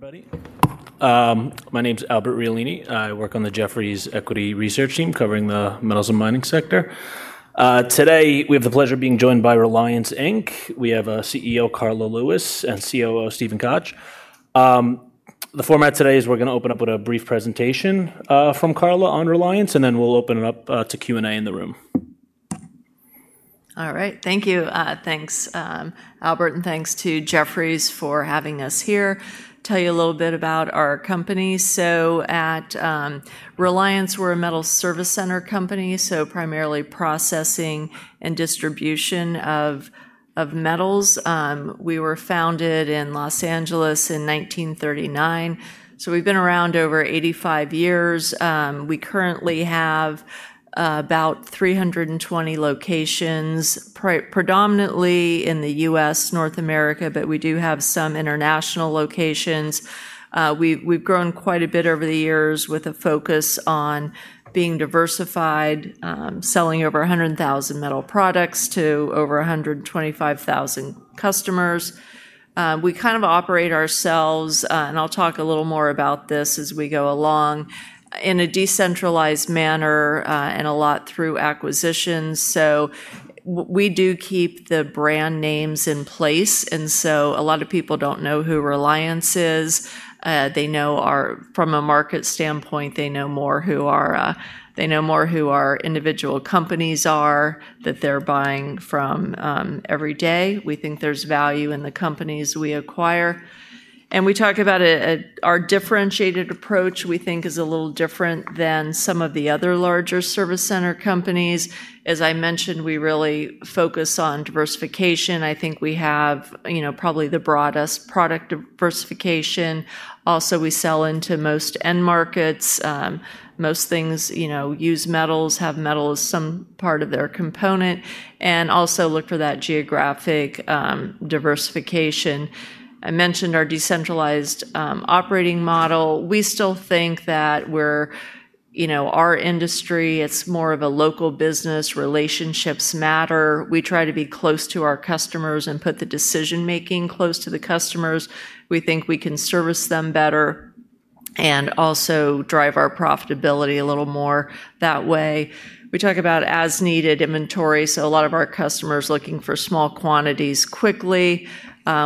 Afternoon, everybody. My name's Albert Rialini. I work on the Jefferies Equity Research Team covering the metals and mining sector. Today, we have the pleasure of being joined by Reliance Inc. We have CEO, Carla Lewis and COO, Steven Koch. The format today is we're going open up with a brief presentation from Carla on Reliance and then we'll open it up to Q and A in the room. Alright. Thank you. Thanks, Albert and thanks to Jefferies for having us here. Tell you a little bit about our company. So at Reliance, we're a metal service center company, so primarily processing and distribution of of metals. We were founded in Los Angeles in 1939. So we've been around over eighty five years. We currently have, about three twenty locations, predominantly in The US, North America, but we do have some international locations. We've grown quite a bit over the years with a focus on being diversified, selling over 100,000 metal products to over 125,000 customers. We kind of operate ourselves, and I'll talk a little more about this as we go along, in a decentralized manner, and a lot through acquisitions. So we do keep the brand names in place and so a lot of people don't know who Reliance is. They know our From a market standpoint, they know more who are, they know more who our individual companies are that they're buying from every day. We think there's value in the companies we acquire. And we talk about our differentiated approach, we think, a little different than some of the other larger service center companies. As I mentioned, we really focus on diversification. I think we have, you know, probably the broadest product diversification. Also, we sell into most end markets. Most things, you know, use metals, have metals some part of their component and also look for that geographic, diversification. I mentioned our decentralized, operating model. We still think that we're our industry, it's more of a local business, relationships matter. We try to be close to our customers and put the decision making close to the customers. We think we can service them better and also drive our profitability a little more that way. We talk about as needed inventory, so a lot of our customers looking for small quantities quickly.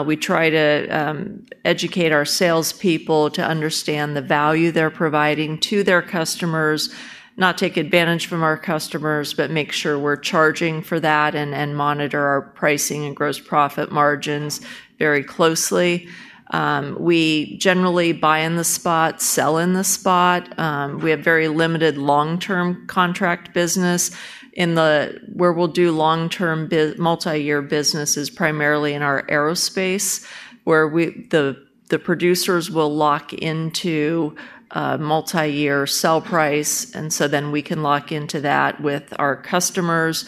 We try to educate our salespeople to understand the value they're providing to their customers, not take advantage from our customers, but make sure we're charging for that and monitor our pricing and gross profit margins very closely. We generally buy in the spot, sell in the spot. We have very limited long term contract business in the where we'll do long term multiyear business is primarily in our aerospace where we the producers will lock into, multiyear sell price and so then we can lock into that with our customers.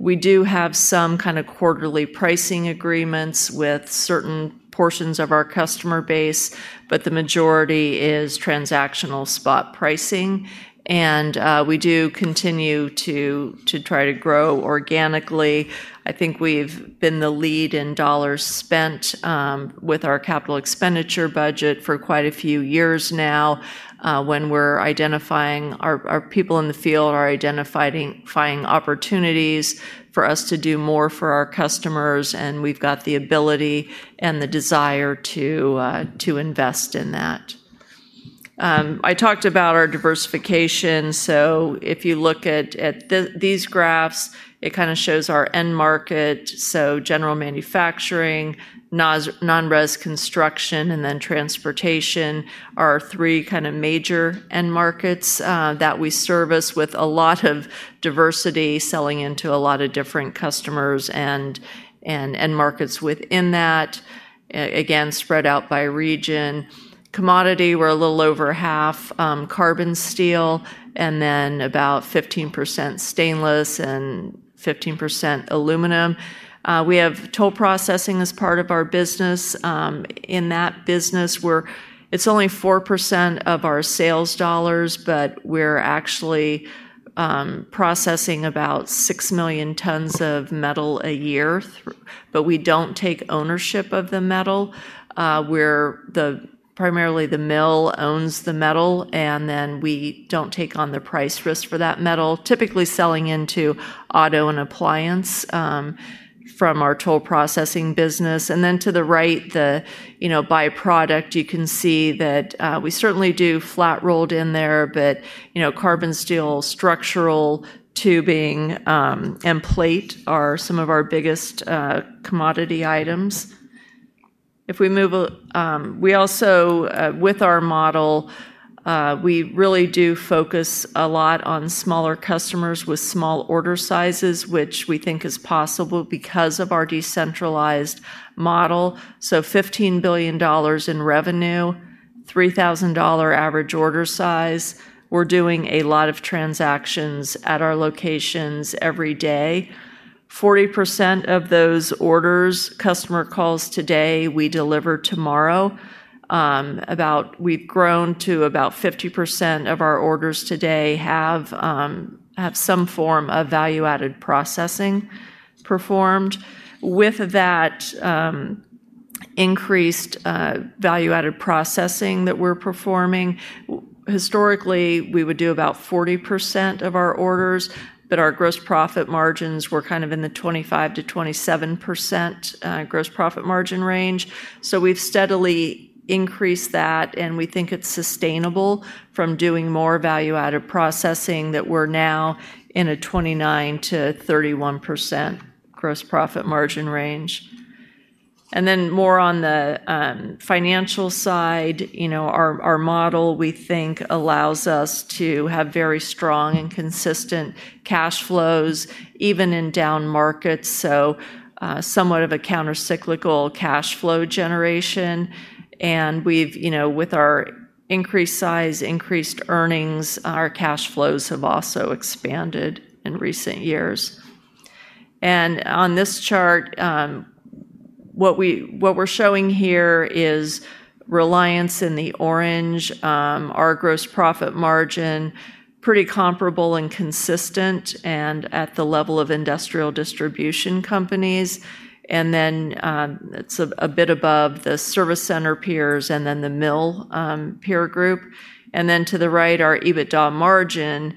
We do have some kind of quarterly pricing agreements with certain portions of our customer base, but the majority is transactional spot pricing. And, we do continue to try to grow organically. I think we've been the lead in dollars spent, with our capital expenditure budget for quite a few years now, when we're identifying our our people in the field are identifying opportunities for us to do more for our customers, and we've got the ability and the desire to, to invest in that. I talked about our diversification. So if you look at at these graphs, it kind of shows our end market, So general manufacturing, non res construction, and then transportation are three kind of major end markets, that we service with a lot of diversity selling into a lot of different customers and end markets within that, again, out by region. Commodity, we're a little over half, carbon steel and then about 15% stainless and 15% aluminum. We have toll processing as part of our business. In that business, we're it's only 4% of our sales dollars, but we're actually, processing about 6,000,000 tons of metal a year, but we don't take ownership of the metal. We're the primarily the mill owns the metal, and then we don't take on the price risk for that metal, typically selling into auto and appliance from our toll processing business. And then to the right, the byproduct, you can see that, we certainly do flat rolled in there, but carbon steel structural tubing, and plate are some of our biggest commodity items. If we move, we also, with our model, we really do focus a lot on smaller customers with small order sizes, which we think is possible because of our decentralized model. So $15,000,000,000 in revenue, dollars 3,000 average order size. We're doing a lot of transactions at our locations every day. 40% of those orders customer calls today, we deliver tomorrow. About we've grown to about 50% of our orders today have some form of value added processing performed. With that increased, value added processing that we're performing, historically, we would do about 40% of our orders, but our gross profit margins were kind of in the 25% to 27%, gross profit margin range. So we've steadily increased that and we think it's sustainable from doing more value added processing that we're now in a 29% to 31% gross profit margin range. And then more on the, financial side, our model we think allows us to have very strong and consistent cash flows even in down markets, so, somewhat of a countercyclical cash flow generation. And we've, you know, with our increased size, increased earnings, our cash flows have also expanded in recent years. And on this chart, what we're showing here is reliance in the orange, our gross profit margin pretty comparable and consistent and at the level of industrial distribution companies. And then, it's a bit above the service center peers and then the mill, peer group. And then to the right, our EBITDA margin,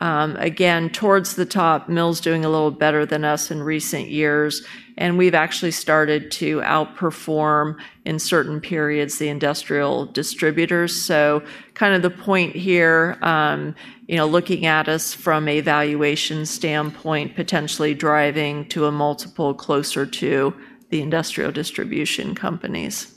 again towards the top, mill is doing a little better than us in recent years and we've actually started to outperform in certain periods the industrial distributors. So kind of the point here, you know, looking at us from a valuation standpoint potentially driving to a multiple closer to the industrial distribution companies.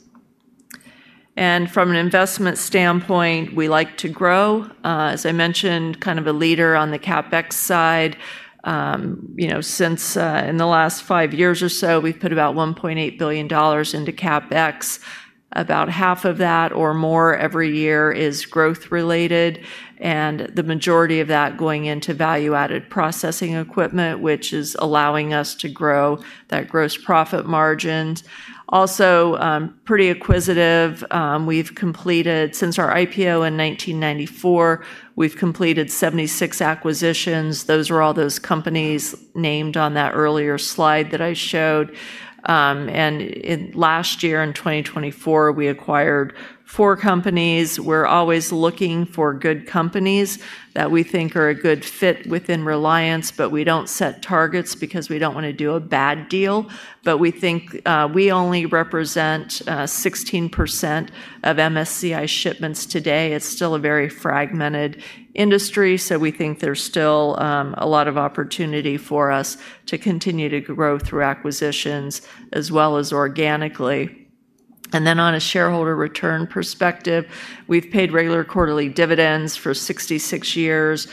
And from an investment standpoint, we like to grow, as I mentioned, kind of a leader on the CapEx side. You know, since, in the last five years or so, we've put about $1,800,000,000 into CapEx, about half of that or more every year is growth related and the majority of that going into value added processing equipment, which is allowing us to grow that gross profit margins. Also, pretty acquisitive. We've completed since our IPO in 1994, we've completed 76 acquisitions. Those are all those companies named on that earlier slide that I showed. And last year in 2024, we acquired four companies. We're always looking for good companies that we think are a good fit within Reliance, but we don't set targets because we don't wanna do a bad deal. But we think, we only represent, 16% of MSCI shipments today. It's still a very fragmented industry, so we think there's still, a lot of opportunity for us to continue to grow through acquisitions as well as organically. And then on a shareholder return perspective, we've paid regular quarterly dividends for sixty six years.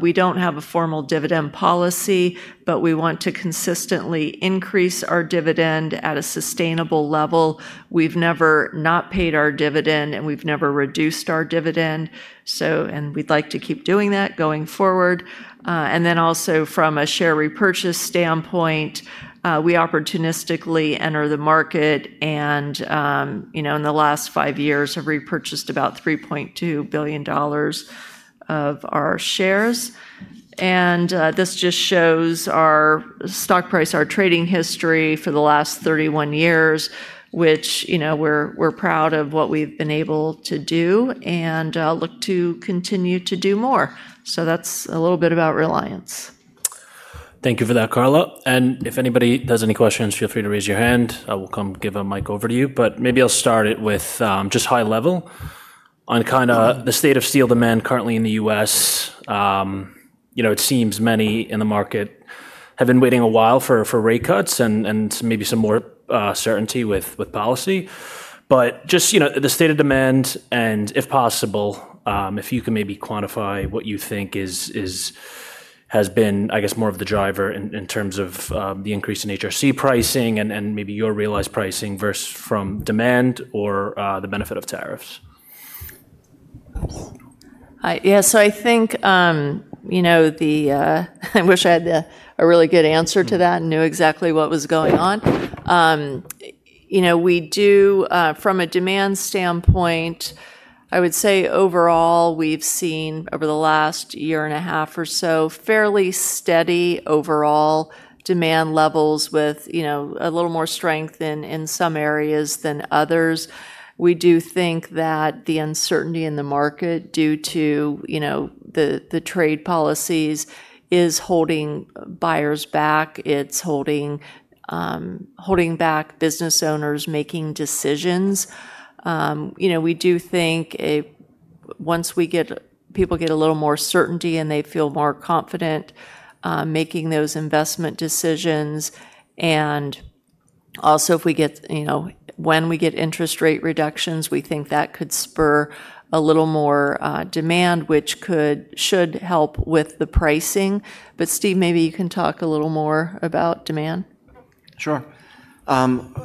We don't have a formal dividend policy, but we want to consistently increase our dividend at a sustainable level. We've never not paid our dividend and we've never reduced our dividend. So and we'd like to keep doing that going forward. And then also from a share repurchase standpoint, we opportunistically enter the market and, you know, in the last five years have repurchased about $3,200,000,000 of our shares. And, this just shows our stock price, our trading history for the last thirty one years, which, you know, we're we're proud of what we've been able to do and, look to continue to do more. So that's a little bit about Reliance. Thank you for that Carla. And if anybody does any questions, feel free to raise your hand. I will come give a mic over to you. But maybe I'll start it with, just high level on kind of the state of steel demand currently in the it seems many in the market have been waiting a while for rate cuts and maybe some more certainty with policy. But just the state of demand and if possible, if you can maybe quantify what you think is has been I guess more of the driver in terms of the increase in HRC pricing and maybe your realized pricing versus from demand or the benefit of tariffs? Yes, so I think I wish I had a really good answer to that and knew exactly what was going on. We do from a demand standpoint, I would say overall, we've seen over the last year and a half or so fairly steady overall demand levels with a little more strength in some areas than others. We do think that the uncertainty in the market due to the trade policies is holding buyers back. It's holding back business owners making decisions. We do think once people get a little more certainty and they feel more confident making those investment decisions and also when we get interest rate reductions we think that could spur a little more demand which could should help with the pricing. But Steve maybe you can talk a little more about demand. Sure.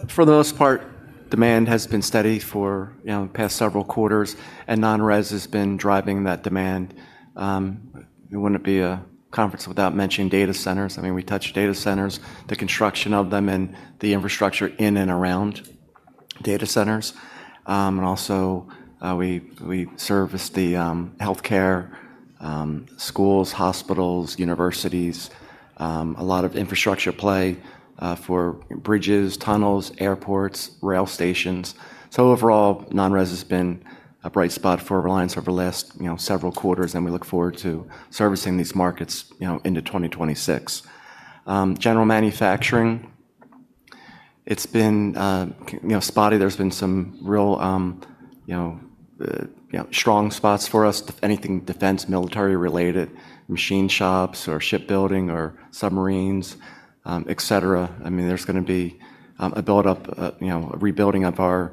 For the most part, demand has been steady for the past several quarters and non res has been driving that demand. It wouldn't be a conference without mentioning data centers. I mean, touch data centers, the construction of them and the infrastructure in and around data centers. And also, we service the health care schools, hospitals, universities, a lot of infrastructure play for bridges, tunnels, airports, rail stations. So overall, non res has been a bright spot for Reliance over the last several quarters, we look forward to servicing these markets into 2026. General manufacturing, it's been spotty. There's been some real strong spots for us, anything defense military related, machine shops or shipbuilding or submarines, etcetera. I mean, there's going to be a build up, a rebuilding of our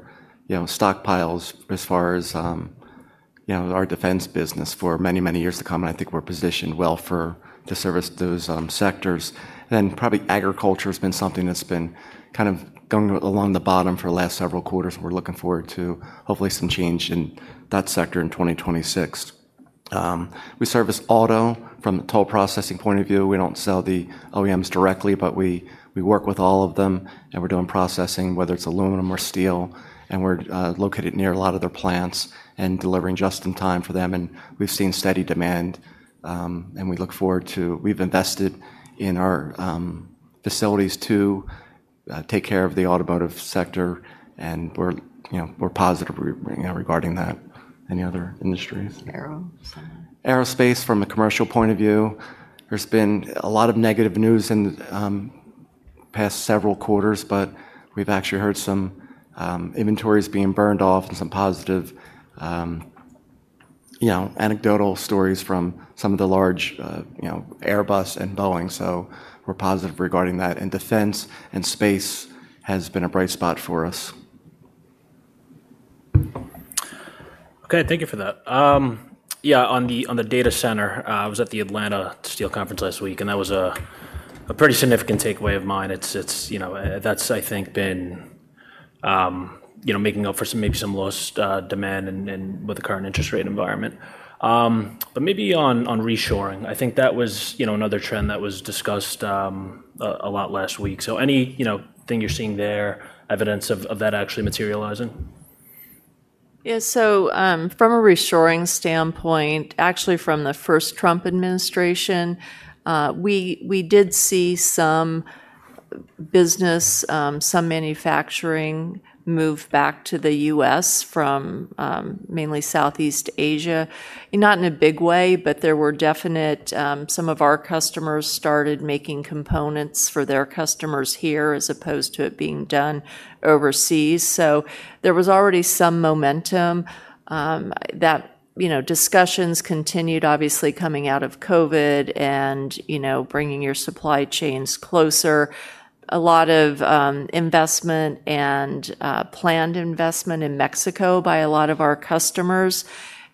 stockpiles as far as our defense business for many, many years to come. I think we're positioned well to service those sectors. And then probably agriculture has been something that's been kind of going along the bottom for the last several quarters. We're looking forward to hopefully some change in that sector in 2026. We service auto from the toll processing point of view. We don't sell the OEMs directly, but we work with all of them and we're doing processing, whether it's aluminum or steel, and we're located near a lot of their plants and delivering just in time for them. We've seen steady demand. And we look forward to we've invested in our facilities to take care of the automotive sector, and we're positive regarding that. Any other industries? Aerospace from a commercial point of view. There's been a lot of negative news in the past several quarters, but we've actually heard some inventories being burned off and some positive anecdotal stories from some of the large Airbus and Boeing. We're positive regarding that. And defense and space has been a bright spot for us. Okay. Thank you for that. Yeah, on data center, I was at the Atlanta Steel Conference last week and that was a pretty significant takeaway of mine. It's, you know, that's I think been, you know, making up for some maybe some lost demand and with the current interest rate environment. But maybe on reshoring, I think that was another trend that was discussed a lot last week. So anything you're seeing there, evidence of that actually materializing? Yeah so from a reshoring standpoint, actually from the first Trump administration, we did see some business, some manufacturing move back to The US from mainly Southeast Asia. Not in a big way, but there were definite some of our customers started making components for their customers here as opposed to it being done overseas. So there was already some momentum that discussions continued obviously coming out of COVID and bringing your supply chains closer. A lot of investment and planned investment in Mexico by a lot of our customers.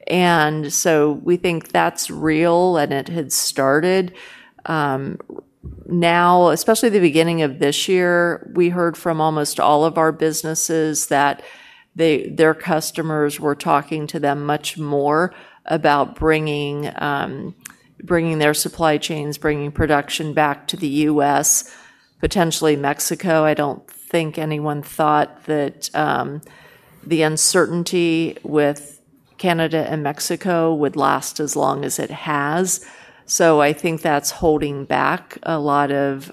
And so we think that's real and it had started. Now, especially the beginning of this year, we heard from almost all of our businesses that their customers were talking to them much more about bringing their supply chains, bringing production back to The U. S, potentially Mexico. I don't think anyone thought that the uncertainty with Canada and Mexico would last as long as it has. So I think that's holding back a lot of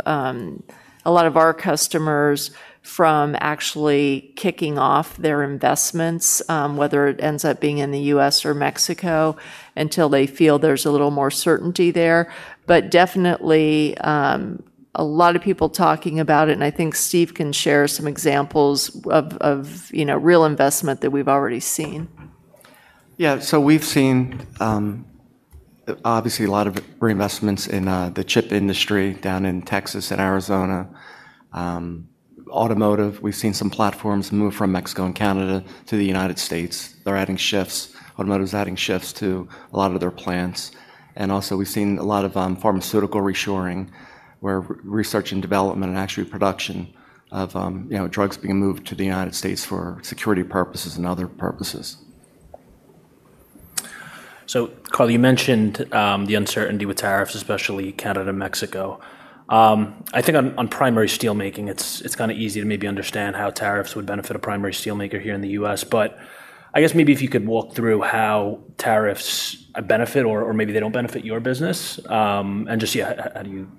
our customers from actually kicking off their investments, whether it ends up being in The U. S. Or Mexico until they feel there's a little more certainty there. But definitely, a lot of people talking about it and I think Steve can share some examples of of, you know, real investment that we've already seen. Yeah. So we've seen obviously a lot of reinvestments in the chip industry down in Texas and Arizona. Automotive, we've seen some platforms move from Mexico and Canada to The United States. They're adding shifts automotive is adding shifts to a lot of their plants. And also we've seen a lot of pharmaceutical reshoring where research and development and actually production of drugs being moved to The United States for security purposes and other purposes. So Karl, you mentioned the uncertainty with tariffs, especially Canada and Mexico. I think on primary steelmaking, it's kind of easy to maybe understand how tariffs would benefit a primary steelmaker here in The U. S. But I guess maybe if you could walk through how tariffs benefit or maybe they don't benefit your business? And just how do you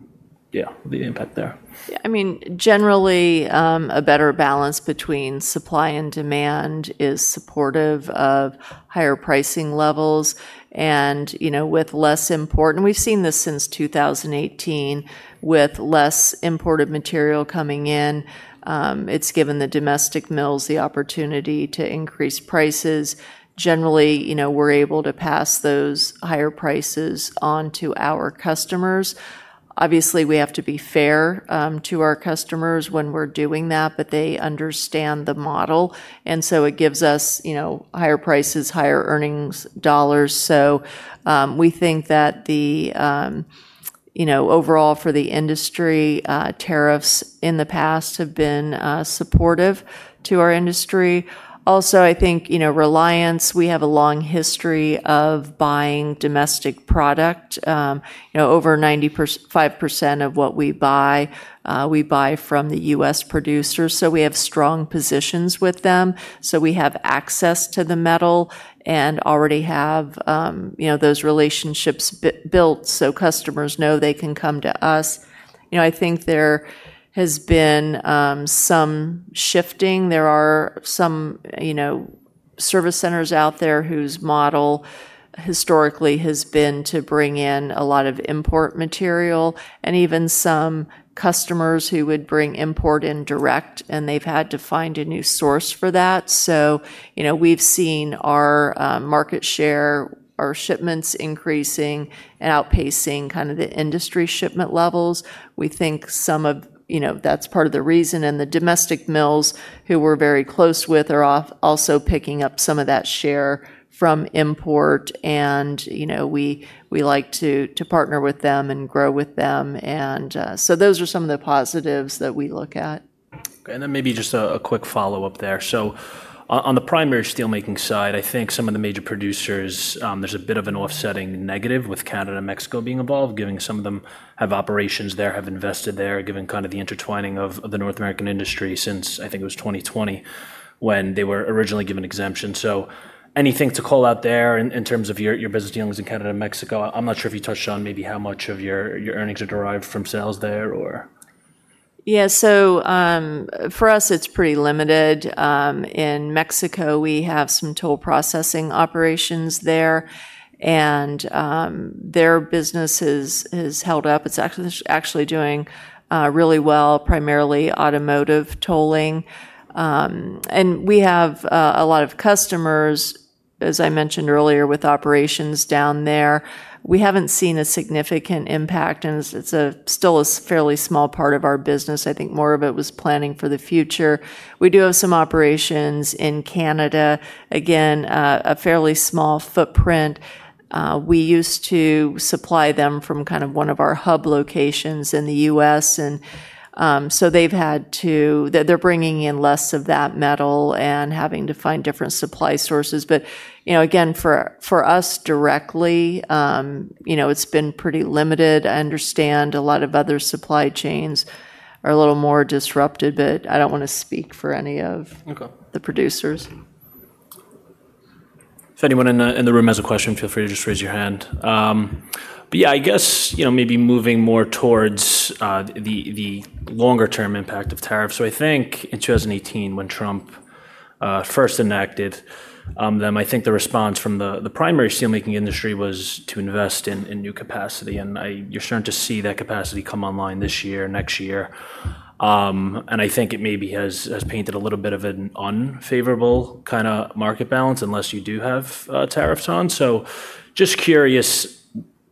yeah, the impact there? I mean, generally a better balance between supply and demand is supportive of higher pricing levels and with less import and we've seen this since 2018 with less imported material coming in, it's given the domestic mills the opportunity to increase prices. Generally, you know, we're able to pass those higher prices on to our customers. Obviously, we have to be fair, to our customers when we're doing that, but they understand the model and so it gives us higher prices, higher earnings dollars. So, we think that overall for the industry, tariffs in the past have been, supportive to our industry. Also I think you know Reliance, we have a long history of buying domestic product. Over 95% of what we buy, we buy from The US producers, so we have strong positions with them. So we have access to the metal and already have, you know, those relationships built so customers know they can come to us. You know, I think there has been, some shifting. There are some, you know, service centers out there whose model historically has been to bring in a lot of import material and even some customers who would bring import in direct and they've had to find a new source for that. We've seen our market share, our shipments increasing and outpacing the industry shipment levels. We think some of that's part of the reason and the domestic mills who we're very close with are also picking up some of that share from import and we like to partner with them and grow with them. So those are some of the positives that we look at. Okay. And then maybe just a quick follow-up there. So on the primary steelmaking side, I think some of the major producers, there's a bit of an offsetting negative with Canada and Mexico being involved, given some of them have operations there, have invested there, given kind of the intertwining of the North American industry since, I think it was 2020 when they were originally given exemption. So anything to call out there in terms of your business dealings in Canada and Mexico? I'm not sure if you touched on maybe how much of your earnings are derived from sales there or? Yeah so for us it's pretty limited. In Mexico we have some toll processing operations there and their business has held up. It's actually doing really well, primarily automotive tolling. And we have lot of customers, as I mentioned earlier, with operations down there. We haven't seen a significant impact and it's still a fairly small part of our business, I think more of it was planning for the future. We do have some operations in Canada, again, a fairly small footprint. We used to supply them from kind of one of our hub locations in The US, and so they've had to they're bringing in less of that metal and having to find different supply sources. But, you know, again, for for us directly, you know, it's been pretty limited. Understand a lot of other supply chains are a little more disrupted, but I don't want to speak for any of the producers. If anyone in the room has a question, feel free to just raise your hand. But I guess, maybe moving more towards the longer term impact of tariffs. So I think in 2018 when Trump first enacted them, I think the response from the primary steelmaking industry was to invest in new capacity. And you're starting to see that capacity come online this year, next year. And I think it maybe has painted a little bit of an unfavorable kind of market balance unless you do have tariffs on. So just curious,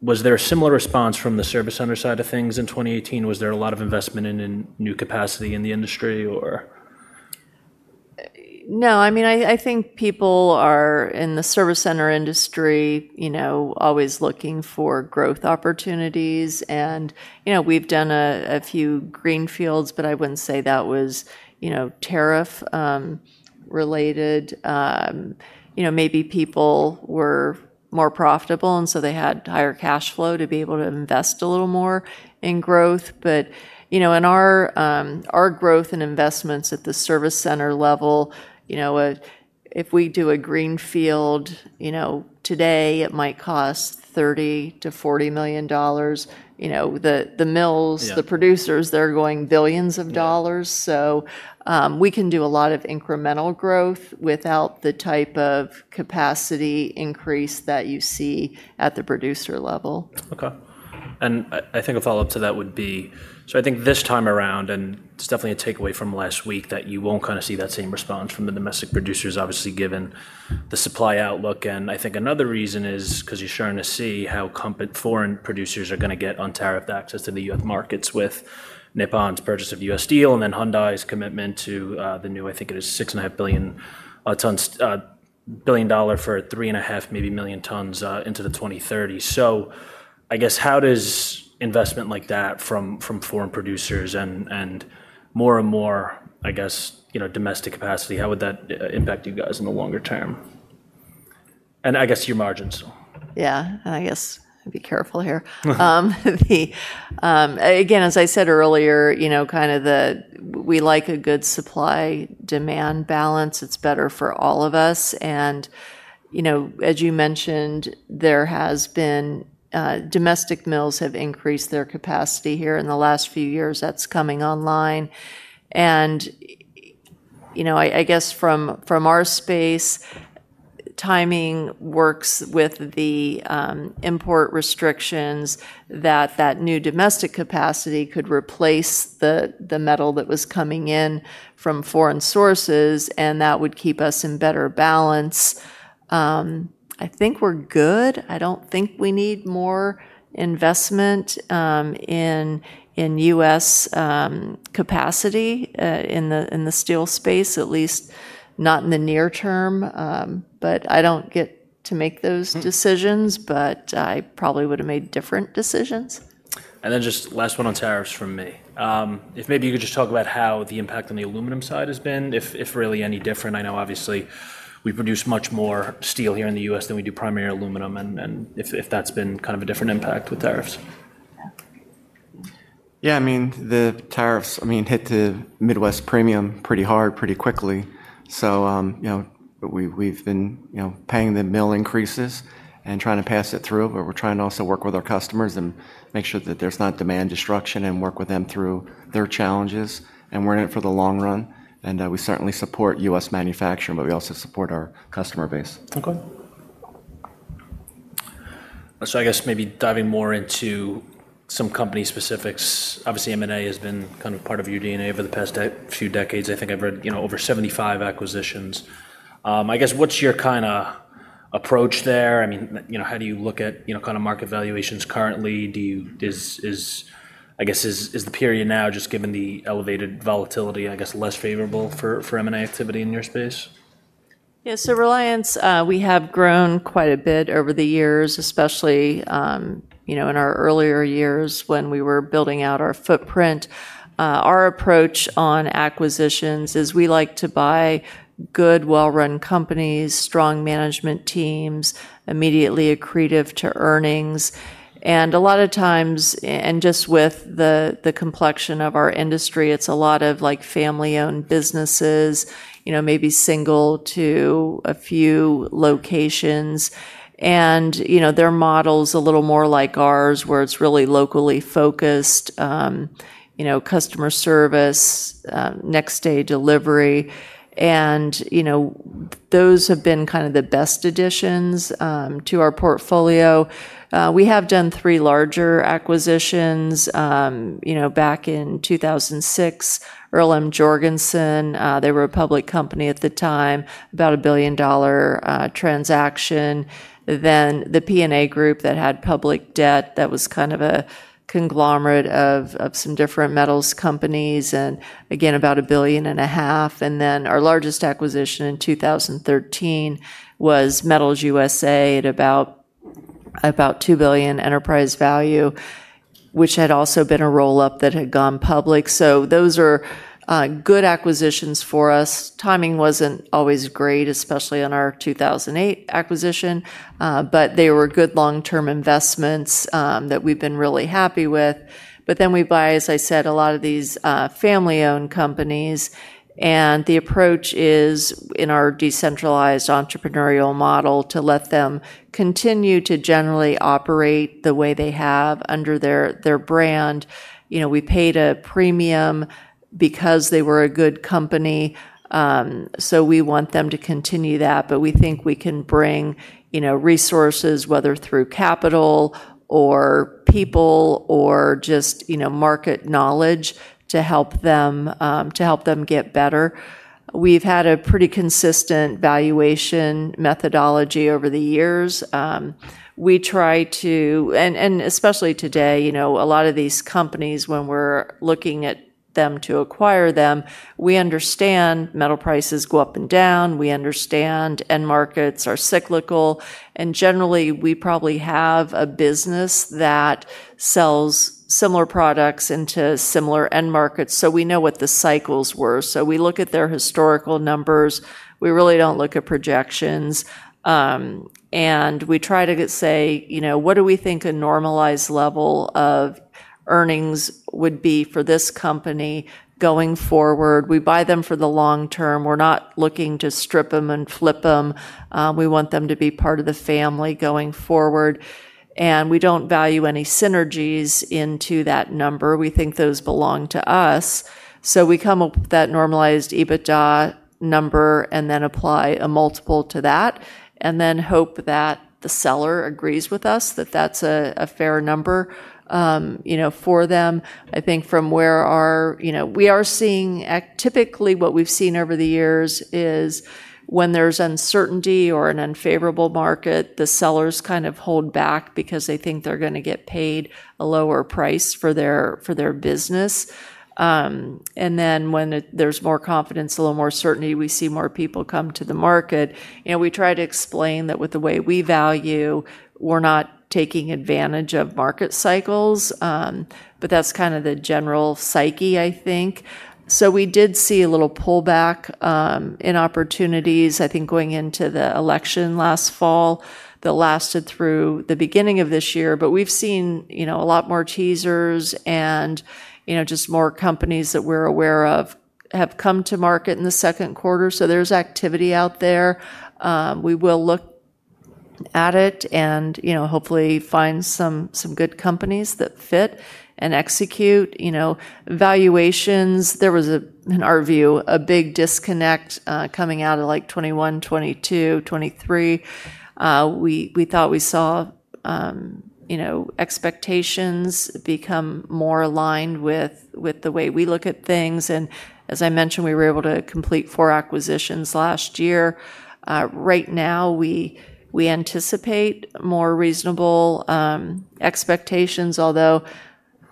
was there a similar response from the service center side of things in 2018? Was there a lot of investment in new capacity in the industry or? No. I mean, I think people are in the service industry you know always looking for growth opportunities and you know we've done a few greenfields but I wouldn't say that was you know tariff related. Maybe people were more profitable and so they had higher cash flow to be able to invest a little more in growth. But in our growth and investments at the service center level, If we do a greenfield today it might cost 30,000,000 to $40,000,000 The mills, the producers, they're going billions of dollars. So we can do a lot of incremental growth without the type of capacity increase that you see at the producer level. Okay. And I think a follow-up to that would be, so I think this time around and it's definitely a takeaway from last week, that you won't kind of see that same response from the domestic producers, obviously, given the supply outlook. And I think another reason is because you're starting to see how competent foreign producers are going to get on tariffed access to The US markets with Nippon's purchase of U. S. Steel and then Hyundai's commitment to the new, I think it is 6,500,000,000.0 tons billion dollar for 3,500,000, maybe, tons into the 2030s. So I guess how does investment like that from foreign producers and more and more I guess domestic capacity, how would that impact you guys in the longer term? And I guess your margins. Yeah, I guess be careful here. Again as I said earlier, kind of the we like a good supply demand balance. It's better for all of us. And as you mentioned there has been domestic mills have increased their capacity here in the last few years. That's coming online. And I guess from our space timing works with the import restrictions that that new domestic capacity could replace the metal that was coming in from foreign sources and that would keep us in better balance. I think we're good. I don't think we need more investment in U. S. Capacity in the steel space, at least not in the near term. But I don't get to make those decisions, but I probably would have made different decisions. And then just last one on tariffs from me. If maybe you could just talk about how the impact on the aluminum side has been, if if really any different. I know, obviously, we produce much more steel here in The US than we do primary aluminum and if that's been kind of a different impact with tariffs. Yeah, mean the tariffs hit the Midwest premium pretty hard, pretty quickly. So, you know, we've been, you know, paying the mill increases and trying to pass it through, but we're trying to also work with our customers and make sure that there's not demand destruction and work with them through their challenges. And we're in it for the long run. And we certainly support U. S. Manufacturing, but we also support our customer base. Okay. So I guess maybe diving more into some company specifics. Obviously, M and A has been kind of part of your DNA over the past few decades. I think I've read over 75 acquisitions. I guess what's your kind of approach there? I mean how do you look at kind of market valuations currently? Do you I is, guess, the period now, just given the elevated volatility, I guess, less favorable for M and A activity in your space? Yes. So Reliance, we have grown quite a bit over the years, especially in our earlier years when we were building out our footprint. Our approach on acquisitions is we like to buy good, well run companies, strong management teams, immediately accretive to earnings. And a lot of times and just with the complexion of our industry it's a lot of like family owned businesses, maybe single to a few locations. And their model's a little more like ours where it's really locally focused, customer service, next day delivery and those have been kind of the best additions, to our portfolio. We have done three larger acquisitions, you know, back in 02/2006, Earl M. Jorgensen, they were a public company at the time, about a billion dollar, transaction. Then the P and A group that had public debt that was kind of a conglomerate of of some different metals companies and, again, about a billion and a half. And then our largest acquisition 13 was Metals USA at about $2,000,000,000 enterprise value, which had also been a roll up that had gone public. So those are good acquisitions for us. Timing wasn't always great, especially on our 2008 acquisition. But they were good long term investments that we've been really happy with. But then we buy, as I said, a lot of these family owned companies. And the approach is in our decentralized entrepreneurial model to let them continue to generally operate the way they have under their brand. We paid a premium because they were a good company so we want them to continue that. But we think we can bring resources whether through capital or people or just market knowledge to help them get better. We've had a pretty consistent valuation methodology over the years. We try to and especially today, a lot of these companies when we're looking at them to acquire them, we understand metal prices go up and down, we understand end markets are cyclical and generally we probably have a business that sells similar products into similar end markets so we know what the cycles were. So we look at their historical numbers, we really don't look at projections, and we try to say you know what do we think a normalized level of earnings would be for this company going forward? We buy them for the long term, we're not looking to strip them and flip them, we want them to be part of the family going forward and we don't value any synergies into that number, we think those belong to us. So we come up with that normalized EBITDA number and then apply a multiple to that and then hope that the seller agrees with us that that's a fair number, you know, for them. I think from where our you know, we are seeing typically what we've seen over the years is when there's uncertainty or an unfavorable market, the sellers kind of hold back because they think they're going to get paid a lower price for their business. And then when there's more confidence, a little more certainty, we see more people come to the market. We try to explain that with the way we value, we're not taking advantage of market cycles, but that's kind of the general psyche I think. So we did see a little pullback in opportunities I think going into the election last fall that lasted through the beginning of this year. But we've seen a lot more teasers and just more companies that we're aware of have come to market in the second quarter. So there's activity out there. We will look at it and hopefully find some good companies that fit and execute. Valuations, there was, in our view, a big disconnect, coming out of like 'twenty one, 'twenty two, 'twenty three. We thought we saw, you know, expectations become more aligned with the way we look at things. And as I mentioned, we were able to complete four acquisitions last year. Right now we anticipate more reasonable expectations, although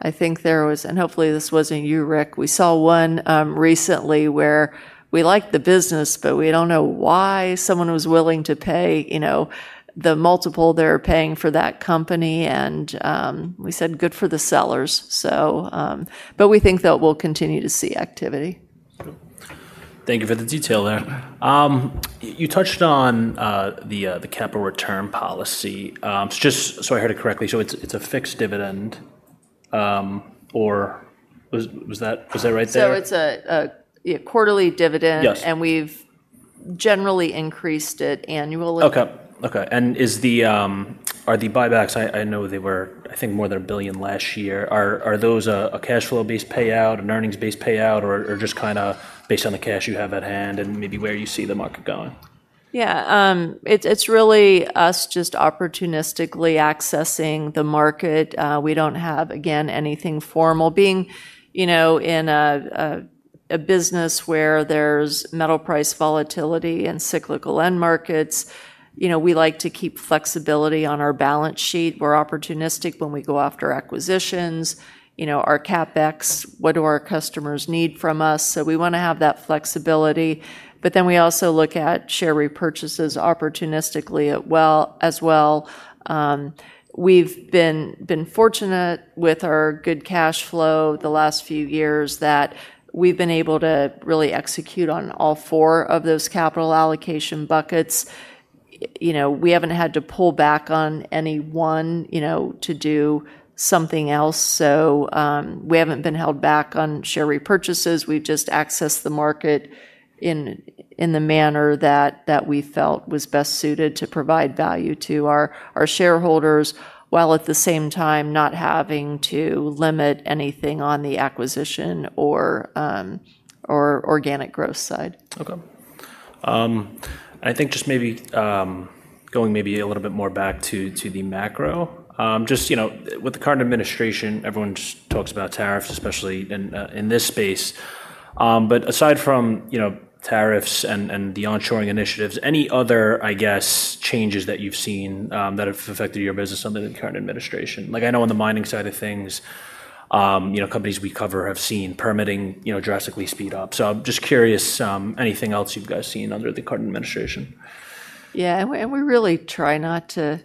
I think there was and hopefully this wasn't you, Rick, we saw one, recently where we like the business, but we don't know why someone was willing to pay, you know, the multiple they're paying for that company and, we said good for the sellers. So but we think that we'll continue to see activity. Thank you for the detail there. You touched on the capital return policy. Just so I heard it correctly, so it's a fixed dividend or was that right there? So it's a quarterly dividend and we've generally increased it annually. Okay. And is the are the buybacks I know they were more than $1,000,000,000 last year are those a cash flow based payout, an earnings based payout, or just kind of based on the cash you have at hand and maybe where you see the market going? Yeah. It's really us just opportunistically accessing the market. We don't have again anything formal. Being in a business where there's metal price volatility and cyclical end markets, We like to keep flexibility on our balance sheet. We're opportunistic when we go after acquisitions, our CapEx, what do our customers need from us. So we want to have that flexibility. But then we also look at share repurchases opportunistically as well. We've been fortunate with our good cash flow the last few years that we've been able to really execute on all four of those capital allocation buckets. We haven't had to pull back on any one to do something else, so we haven't been held back on share repurchases. We've just accessed the market in the manner that we felt was best suited to provide value to our shareholders while at the same time not having to limit anything on the acquisition or organic growth side. Okay. I think just maybe going maybe a little bit more back to the macro. Just with the current administration, everyone talks about tariffs, especially in this space. But aside from tariffs and the onshoring initiatives, any other, I guess, changes that you've seen that have affected your business under the current administration? Like I know on the mining side of things, companies we cover have seen permitting drastically So I'm just curious, anything else you guys seen under the current administration? Yeah, and we really try not to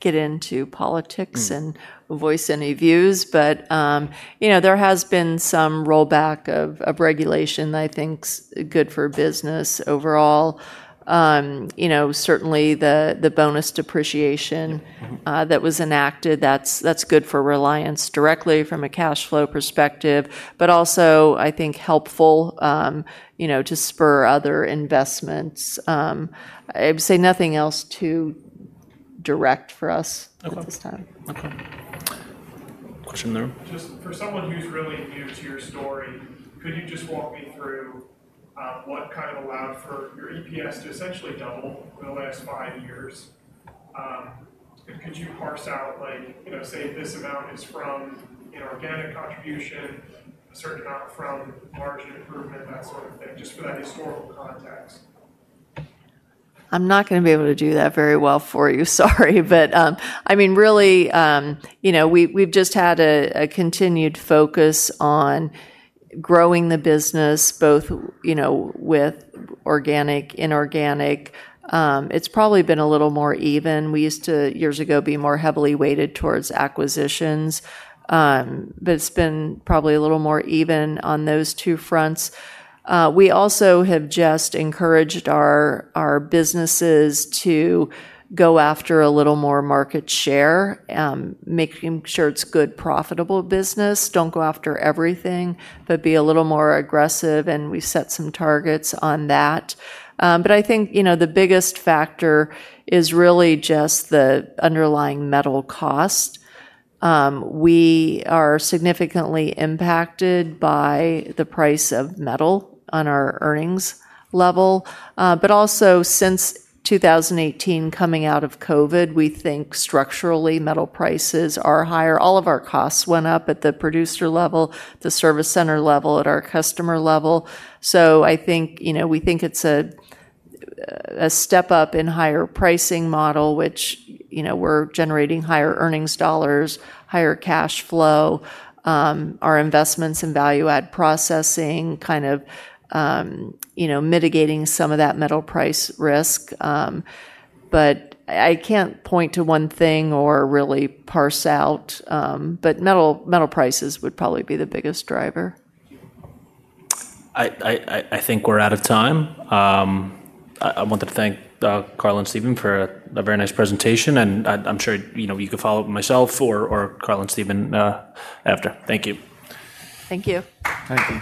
get into politics and voice any views. But there has been some rollback of regulation that I think is good for business overall. You know certainly the bonus depreciation that was enacted that's good for reliance directly from a cash flow perspective but also I think helpful to spur other investments. I would say nothing else too direct for us there. Just for someone who's really new to your story, could you just walk me through what kind of allowed for your EPS to essentially double over the last five years? And could you parse out, like, say, this amount is from inorganic contribution, certain amount from margin improvement, that sort of thing, just for that historical context? I'm not going to be able to do that very well for you, sorry. But I mean really we've just had a continued focus on growing the business both with organic, inorganic. It's probably been a little more even. We used to years ago be more heavily weighted towards acquisitions. But it's been probably a little more even on those two fronts. We also have just encouraged our businesses to go after a little more market share, making sure it's good profitable business, don't go after everything but be a little more aggressive and we set some targets on that. But I think the biggest factor is really just the underlying metal cost. We are significantly impacted by the price of metal on our earnings level. But also since 2018 coming out of COVID, we think structurally metal prices are higher. All of our costs went up at the producer level, the service center level at our customer level. So I think you know we think it's a step up in higher pricing model which we're generating higher earnings dollars, higher cash flow, our investments in value add processing kind of mitigating some of that metal price risk. But I can't point to one thing or really parse out, but metal prices would probably be the biggest driver. I think we're out of time. I wanted to thank Carl and Steven for a very nice presentation and I'm sure you could follow-up myself or Carl and Steven after. Thank you. Thank you. Thank you.